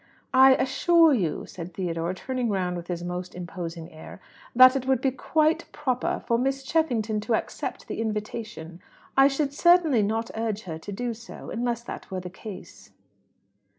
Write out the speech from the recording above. "I assure you," said Theodore, turning round with his most imposing air, "that it would be quite proper for Miss Cheffington to accept the invitation. I should certainly not urge her to do so unless that were the case."